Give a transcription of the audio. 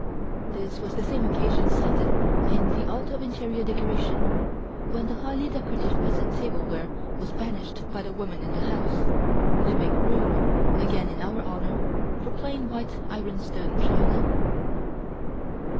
This was the same occasion cited in The Art of Interior Decoration, when the highly decorative peasant tableware was banished by the women in the house, to make room, again in our honour, for plain white ironstone china.